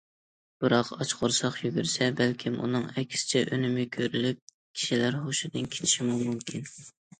بىراق، ئاچ قورساق يۈگۈرسە، بەلكىم ئۇنىڭ ئەكسىچە ئۈنۈمى كۆرۈلۈپ، كىشىلەر ھوشىدىن كېتىشىمۇ مۇمكىن.